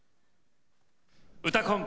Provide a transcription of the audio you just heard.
「うたコン」